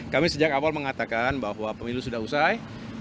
kami sejak awal mengatakan bahwa pemilu sudah usai